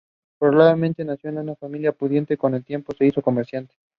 Many host provide template builders to make website creation easier.